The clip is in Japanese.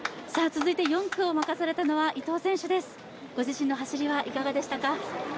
続いて４区を任されたのは伊藤選手です、ご自身の走りはいかがでしたか？